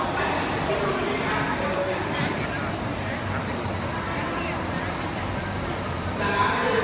สาธิตรีสาธิตรีสาธิตรีสาธิตรี